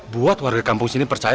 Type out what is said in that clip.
buat warga kampung sini percaya